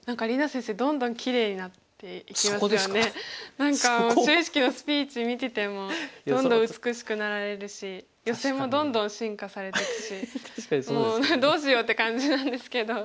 何かもう就位式のスピーチ見ててもどんどん美しくなられるしヨセもどんどん進化されていくしもうどうしようって感じなんですけど。